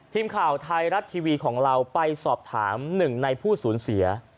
ทีมข่าวไทยรัฐทีวีของเราไปสอบถามหนึ่งในผู้สูญเสีย